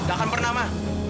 gak akan pernah ma